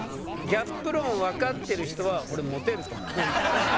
ギャップ論分かってる人は俺モテると思う。